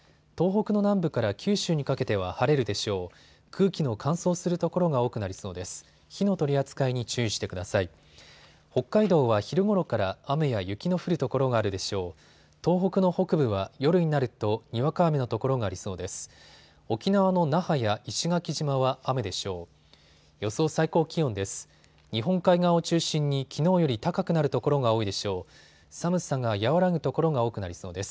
東北の北部は夜になるとにわか雨の所がありそうです。